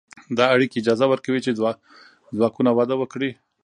دا اړیکې اجازه ورکوي چې ځواکونه وده وکړي.